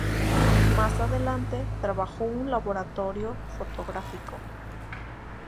Más adelante, trabajó en un laboratorio fotográfico.